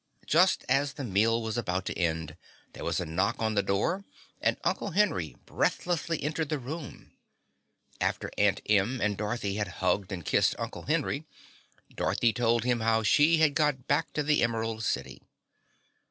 Just as the meal was about to end, there was a knock on the door and Uncle Henry breathlessly entered the room. After Aunt Em and Dorothy had hugged and kissed Uncle Henry, Dorothy told him how she had got back to the Emerald City.